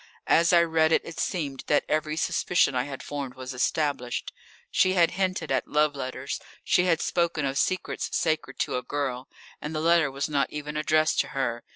As I read it it seemed that every suspicion I had formed was established. She had hinted at love letters, she had spoken of secrets sacred to a girl; and the letter was not even addressed to her.